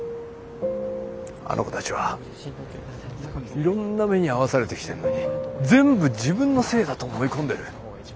あの子たちはいろんな目に遭わされてきてんのに全部自分のせいだと思い込んでる。